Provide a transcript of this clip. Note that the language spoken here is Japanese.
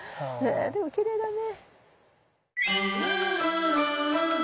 でもきれいだね。